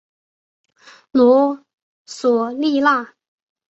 罗索利纳。